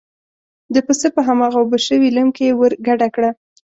د پسه په هماغه اوبه شوي لم کې یې ور ګډه کړه.